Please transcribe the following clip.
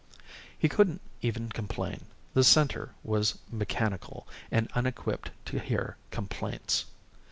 He couldn't even complain. The Center was mechanical, and unequipped to hear complaints.